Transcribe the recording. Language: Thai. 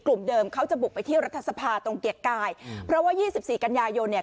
เดิมเขาจะบุกไปเที่ยวรัฐสภาตรงเกียรติกายเพราะว่ายี่สิบสี่กันยายนเนี่ย